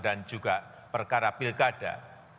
dan juga perkara pilkada